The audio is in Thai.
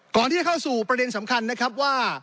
ก่อนที่จะเข้าสู่ประเด็นสำคัญนะครับว่า